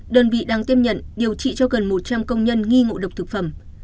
đơn vị đang tiếp nhận điều trị cho gần một trăm linh công nhân nghi ngộ độc thực phẩm